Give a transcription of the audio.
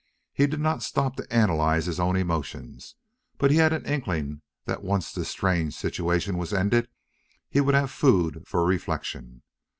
He did not stop to analyze his own emotions, but he had an inkling that once this strange situation was ended he would have food for reflection.